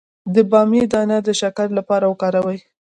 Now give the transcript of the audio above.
د بامیې دانه د شکر لپاره وکاروئ